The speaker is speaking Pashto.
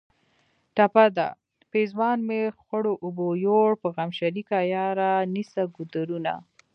ټپه ده: پېزوان مې خړو اوبو یوړ په غم شریکه یاره نیسه ګودرونه